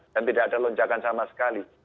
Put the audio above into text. dan tidak ada lonjakan sama sekali